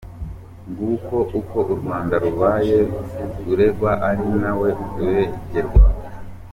Nguko uko u Rwanda rubaye uregwa ari nawe uregerwa !